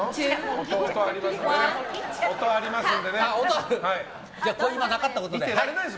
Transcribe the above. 音ありますんで。